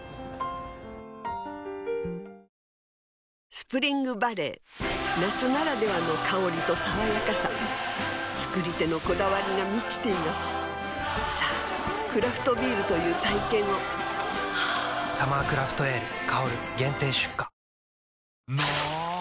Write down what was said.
スプリングバレー夏ならではの香りと爽やかさ造り手のこだわりが満ちていますさぁクラフトビールという体験を「サマークラフトエール香」限定出荷の！